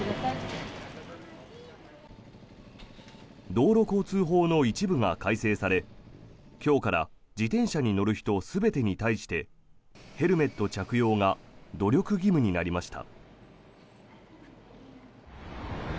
道路交通法の一部が改正され今日から自転車に乗る人全てに対してヘルメット着用が努力義務になりました。